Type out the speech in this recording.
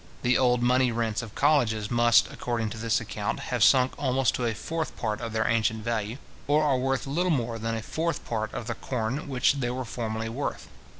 The old money rents of colleges must, according to this account, have sunk almost to a fourth part of their ancient value, or are worth little more than a fourth part of the corn which they were formerly worth.